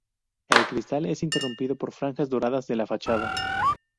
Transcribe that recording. El cristal es interrumpido por franjas doradas de la fachada.